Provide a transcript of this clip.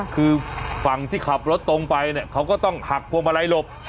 คือฝั่งที่ขับรถตรงไปเนี่ยเขาก็ต้องหักพวงมาลัยหลบ